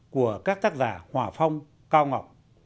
của các tác giả hỏa phong cao ngọc